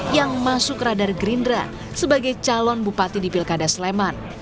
yang masuk radar gerindra sebagai calon bupati di pilkada sleman